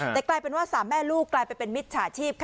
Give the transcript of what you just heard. แต่ใกล้เป็นว่าสามแม่ลูกกลายกันเป็นมิจฉาาชีพ